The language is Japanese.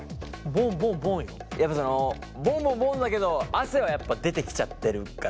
やっぱそのボンボンボンだけど汗はやっぱ出てきちゃってるから。